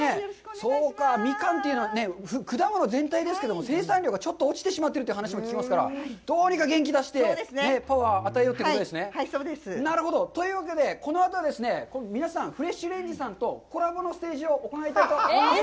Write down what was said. そうか、ミカンというのは果物全体ですけど生産量がちょっと落ちてしまっているという話も聞きますから、どうにか元気を出してパワーを与えようということですね。ということで、このあと、皆さん、フレッシュレンジさんとコラボのステージを行いたいと思います。